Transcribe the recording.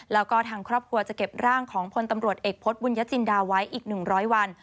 แล้วก็ทางครอบครัวจะเก็บร่างของพลตำรวจเอกพฤษบุญยจินดาไว้อีก๑๐๐วัน